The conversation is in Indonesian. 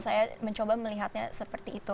saya mencoba melihatnya seperti itu